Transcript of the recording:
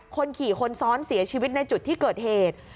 คนขี่คนซ้อนเสียชีวิตในจุดที่เกิดเหตุ